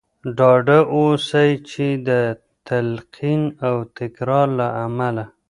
ډاډه اوسئ چې د تلقين او تکرار له امله.